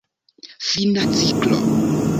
Fina ciklo.